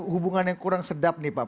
hubungan yang kurang sedap nih pak